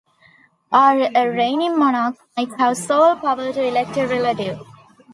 Or a reigning monarch might have sole power to elect a relative.